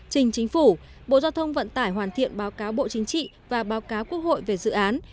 trình chính phủ bộ giao thông vận tải hoàn thiện báo cáo bộ chính trị và báo cáo quốc hội về dự án